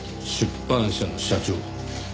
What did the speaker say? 出版社の社長。